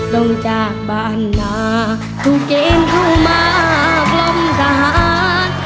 ลงจากบ้านมาถูกเกณฑ์เข้ามากลมทหาร